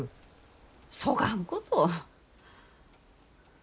そがんこと。